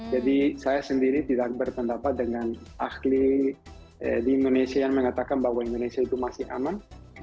jadi saya sendiri tidak berpendapat dengan ahli di indonesia yang mengatakan bahwa indonesia itu masih aman